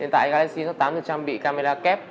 hiện tại galaxy note tám được trang bị camera kép